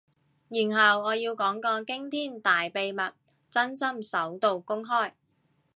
然後我要講個驚天大秘密，真心首度公開